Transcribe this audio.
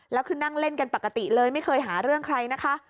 แล้วคือนั่งเล่นกันปกติเลยไม่เคยหาเรื่องใครนะคะ